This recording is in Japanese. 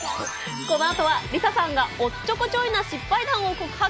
このあとはＬｉＳＡさんがおっちょこちょいな失敗談を告白。